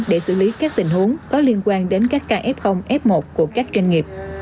để xử lý các tình huống có liên quan đến các kf f một của các doanh nghiệp